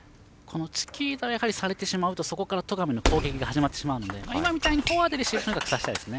チキータをやはりされてしまうとそこから戸上の攻撃が始まってしまうので今みたいにフォアでレシーブをさせたいですね。